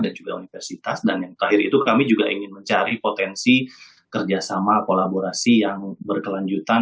dan yang terakhir itu kami juga ingin mencari potensi kerjasama kolaborasi yang berkelanjutan